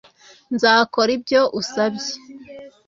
nzakora ibyo usabye